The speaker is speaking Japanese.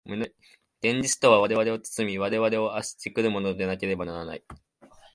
現実とは我々を包み、我々を圧し来るものでなければならない。